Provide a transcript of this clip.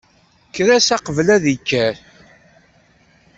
Kker-as qebl ad d-ikker.